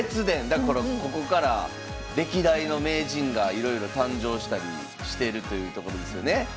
だからここから歴代の名人がいろいろ誕生したりしてるというところですよね。